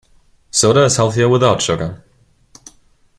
Soda is healthier without sugar.